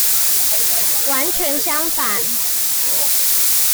完全相反！